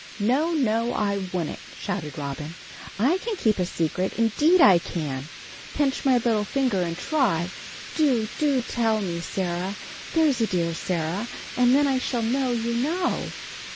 "No, no, I wouldn't!" shouted Robin. "I can keep a secret, indeed I can! Pinch my little finger, and try. Do, do tell me, Sarah, there's a dear Sarah, and then I shall know you know."